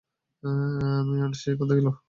মেয়ার, সে কোথায় গেল?